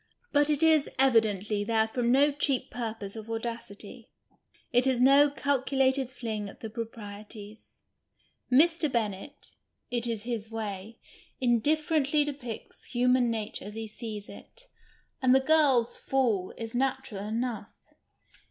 But it is, evidently, there from no cheap purpose of " audacity," it is no calculated fling at the proprieties. Mr. Bennett — it is his way — indifferently dejiicts human nature as he sees it, and the girl's " fall " is natural enough.